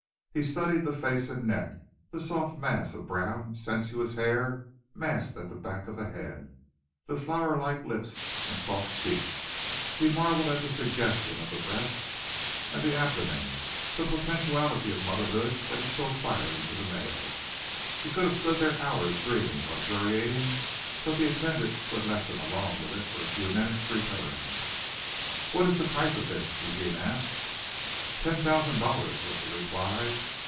He studied the face and neck, the soft mass of brown, sensuous hair massed at the back of the head, the flowerlike lips and soft cheeks. He marveled at the suggestion of the breasts and the abdomen, that potentiality of motherhood that is so firing to the male. He could have stood there hours dreaming, luxuriating, but the attendant who had left him alone with it for a few minutes returned. "What is the price of this?" Eugene asked. "Ten thousand dollars," was the reply.